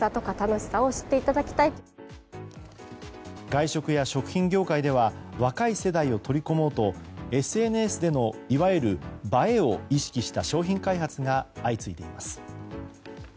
外食や食品業界では若い世代を取り込もうとＳＮＳでのいわゆる映えを意識した商品開発が相次いでいます。